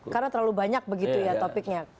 karena terlalu banyak begitu ya topiknya